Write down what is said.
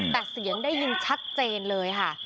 แต่เสียงได้ยินชัดเจนเลยค่ะ